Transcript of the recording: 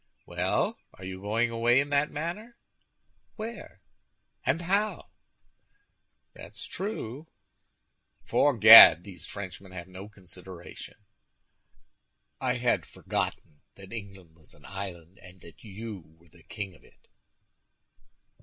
"Well, are you going away in that manner? Where, and how?" "That's true!" "Fore Gad, these Frenchmen have no consideration!" "I had forgotten that England was an island, and that you were the king of it."